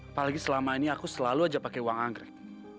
apalagi selama ini aku selalu aja pakai uang anggrek